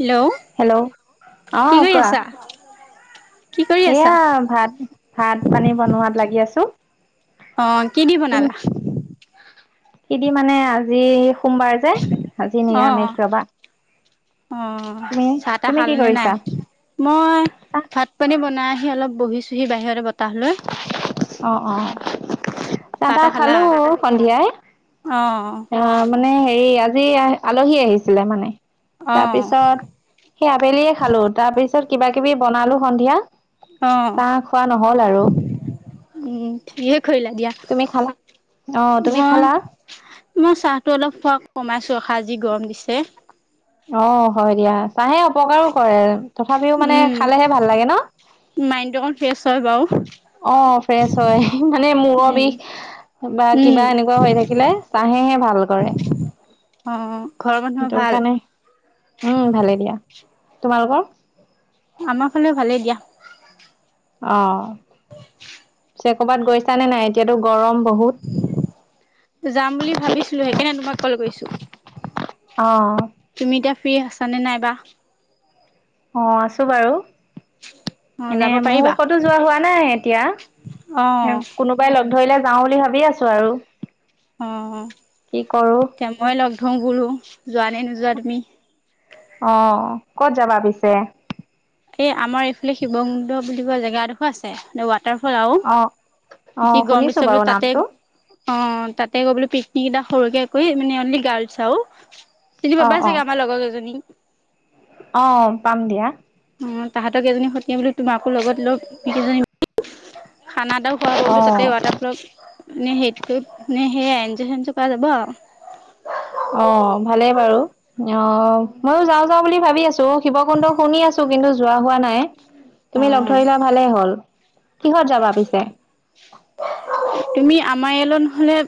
Hello hello অ কি কৰি কোৱা আছা? কি কৰি আছা? এয়া ভাত ভাত পানী বনোৱাত লাগি আছোঁ। অ কি দি বনালা। কি দি মানে আজি সোমবাৰ যে আজি অ' নিৰামিষ ৰবা। অ তুমি চাহ তাহ তুমি কি খালনে নাই। কৰিছা মই চাহ ভাত পানী বনাই আহি অলপ বহিছোহি বাহিছোহি বতাহ লৈ। অ অ চাহ তা খালো সন্ধিয়াই, অ অ আহ মানে হেৰি আজি আলহী আহিছিলে মানে অ' তাৰপিছত। সেই আবেলিয়ে খালো তাৰ পিছত কিবা কিবি বনালো সন্ধিয়া। অ' চাহ খোৱা নহল আৰু উম ঠিকে কৰিলা দিয়া তুমি খালা অ তুমি মই, খালা মই চাহটো অলপ খোৱা কমাইছো ৰখা যি গৰম দিছে। অ হয় দিয়া চাহে অপকাৰো কৰে তথাপিও মানে খালেহে ভাল লাগে ন। মাইণ্ড টো অকণ ফ্ৰেছ হয় বাৰু, অ ফ্ৰেচ হয় মানে মূৰৰ উম, বিষ। বা উম। কিবা এনেকুৱা হৈ থাকিলে চাহেহে ভাল কৰে। অ ঘৰৰ মানুহৰ সেইটো ভাল। কাৰণে উম ভালেই দিয়া তোমালোকৰ। আমাৰ ফালেও ভালেই দিয়া। অ [unintelligible] ক'ৰবাত গৈছ নে নাই এতিয়াতো গৰম বহুত। যাম বুলি ভাবিছিলো সেইকাৰণে তোমাক কল কৰিছো। অ। তুমি এতিয়া ফ্ৰ্ৰী আছা নে নাইবা। অ আছো বাৰু, অ এনে যাব মই পাৰিবা কতো যোৱা হোৱা নাই এতিয়া অ কোনো, কোবাই লগ ধৰিলে যাওঁ বুলি ভাবি আছো আৰু অ কি কৰো। এতিয়া মই লগ ধৰো বোলো যোৱা নে নোযোৱা তুমি, অ কত যাবা পিছে। এই আমাৰ এইফালে শিৱ মুন্দ বুলি কোৱা জেগা এডোখো আছে দেৱাত। তাৰ ফল অ' আৰুও অ' কি গম শুনিছো দিচা বাৰু বোলে তাতে, নামটো। অ তাতে গৈ বোলো পিকনিক এটা সৰুকে কৰি মানে অনলি গাৰ্লছ আৰুও, চিনি অ', পাবাই অ', চাগে আমাৰ লগৰ কেজনী। অ পাম দিয়া। অ তাহাঁতক এইজনী সতীয়া বুলি তোমাকো লগত লেই খানা দও খোৱাব বোৱা তাতে অ', ৱাটাৰ ফলক নে হেৰিত কৰি নে সে এনজয় চেনজয় কৰা যাব আৰু অ, ভালেই বাৰু অ, ময়ো যাওঁ যাওঁ বুলি ভাবি আছো। শিৱকুণ্ড শুনি আছো কিন্তু যোৱা হোৱা নাই তুমি লগ আৰু অ ধৰিলা ভালেই হ'ল। কিহত যাবা পিছে। তুমি আমাৰ এয়ালৈ ন হলে,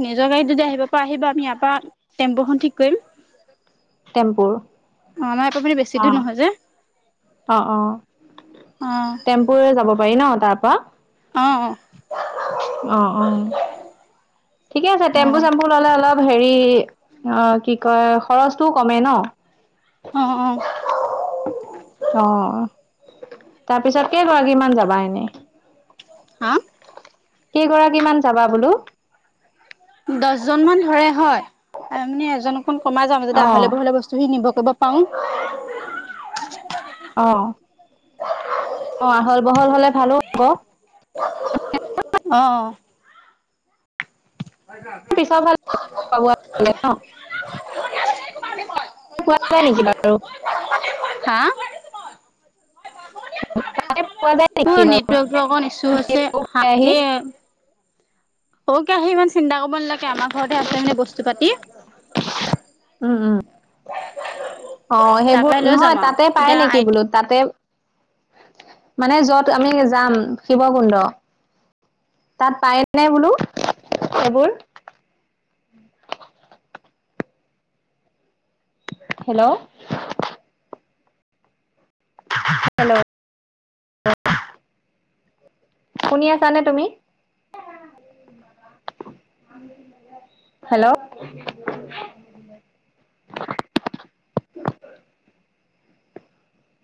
নিজৰ গাড়ত যদি আহিব পৰা আহিবা আমি ইয়াৰ পৰা তেম্পুখন ঠিক কৰিম। তেম্পুৰ। অ, আমাৰ ইাৰপ মাননি বেছি দূৰ নহয় যে। অ, অ অ চেম্পুৰে যাব পাৰি ন তাৰ পৰা। অ অ অ, অ। ঠিকে আছে তেম্পু-চেম্পু অ ললে অলপ হেৰি অ কি কয় খৰচটোও কমে ন। অ অ, অ, তাৰপিছত কেই গৰাকীমান যাবা এনেই। হা। কেইগৰাকী মান যাবা বোলো। দহজন মান ধৰে হয় মানে এজনকমান কমাই যাম যদি অ', আহলে বহলে বস্তুখিনি নিব পাওঁ। অ। অ, আহল বহল হলে ভালো হ'ব। অ। পিছ ভাল ন পোৱা যায় নেকি বাৰু। হা। তাতে পোৱা যায় নেকি বাৰু নেটৱৰ্ক অকণ ইছ্যু হৈছে হা আহি এ। চৰো কেৰাহি ইমান চিন্তা কৰিব নালাগে আমাৰ ঘৰতে আছে মানে বস্তু পাতি। উম, উম অ, তাৰ পৰাই সেইবোৰ লৈ যাম নহয় আৰু তাতে পাই এতিয়া আই নেকি বোলো। তাতে মানে যত আমি যাম শিৱকুণ্ড। তাত পায় নে বোলো এইবোৰ। হেল্ল'। হেল্ল, শুনি আছানে তুমি? হেল্ল',